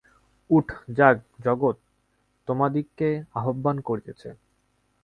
উঠ, জাগ, জগৎ তোমাদিগকে আহ্বান করিতেছে।